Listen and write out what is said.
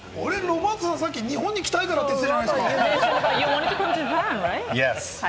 さっき日本に行きたいからって言ってたじゃないですか！